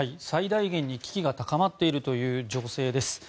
最大限に危機が高まっているという情勢です。